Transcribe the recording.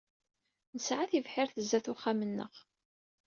Nesɛa tibḥirt sdat uxxam-nneɣ.